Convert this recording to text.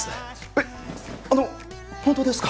えっあの本当ですか？